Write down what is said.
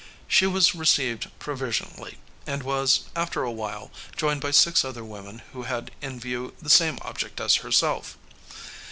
She was received provisionally, and was, after a while, joined by six other women who had in view the same object as herself.